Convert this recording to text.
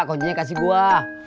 kuncinya kasih gua